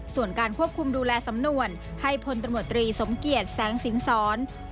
ส่วนการควบคุมดูแลสำนวนให้พลตำรวจตรีสมเกียจแสงสินสร